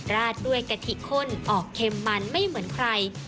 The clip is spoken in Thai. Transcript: ราดด้วยกะทิข้นออกเค็มมันไม่เหมือนใคร